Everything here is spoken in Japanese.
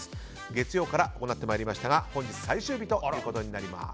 月曜から行ってまいりましたが本日最終日となります。